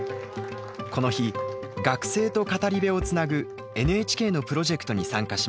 この日学生と語り部をつなぐＮＨＫのプロジェクトに参加しました。